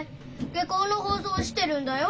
下校の放送してるんだよ。